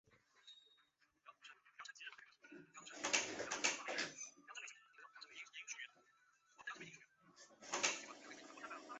此时的天皇是平安时代之平城天皇与嵯峨天皇。